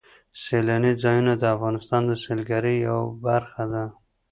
سیلاني ځایونه د افغانستان د سیلګرۍ یوه برخه ده.